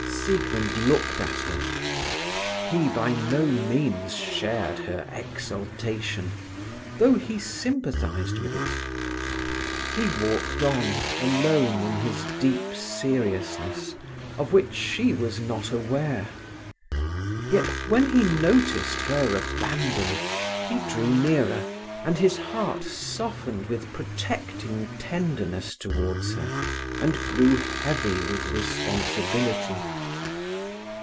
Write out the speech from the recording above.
Siegmund looked at her. He by no means shared her exultation, though he sympathized with it. He walked on alone in his deep seriousness, of which she was not aware. Yet when he noticed her abandon, he drew her nearer, and his heart softened with protecting tenderness towards her, and grew heavy with responsibility.